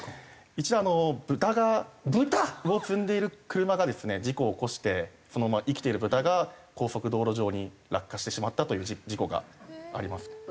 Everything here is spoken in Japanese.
一度豚を積んでいる車がですね事故を起こしてそのまま生きている豚が高速道路上に落下してしまったという事故があります。